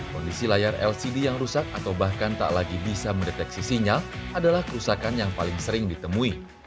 kondisi layar lcd yang rusak atau bahkan tak lagi bisa mendeteksi sinyal adalah kerusakan yang paling sering ditemui